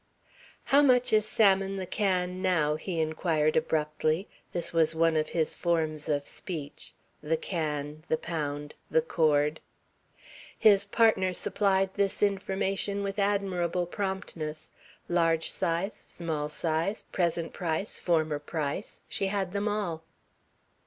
"How much is salmon the can now?" he inquired abruptly this was one of his forms of speech, the can, the pound, the cord. His partner supplied this information with admirable promptness. Large size, small size, present price, former price she had them all.